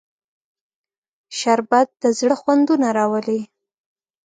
شربت د زړه خوندونه راولي